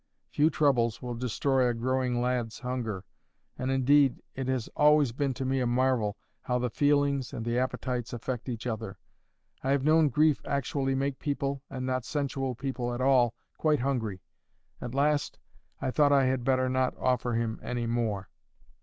Few troubles will destroy a growing lad's hunger; and indeed it has always been to me a marvel how the feelings and the appetites affect each other. I have known grief actually make people, and not sensual people at all, quite hungry. At last I thought I had better not offer him any more.